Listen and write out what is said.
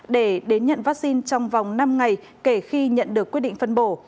để đến nhận vaccine trong vòng năm ngày kể khi nhận được quyết định phân bổ